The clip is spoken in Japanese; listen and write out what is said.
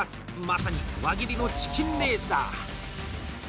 まさに輪切りのチキンレースだ。